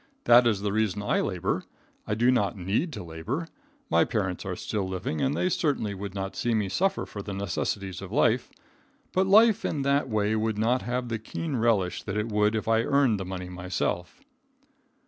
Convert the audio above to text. That is the reason I labor. I do not need to labor. My parents are still living, and they certainly would not see me suffer for the necessities of life. But life in that way would not have the keen relish that it would if I earned the money myself.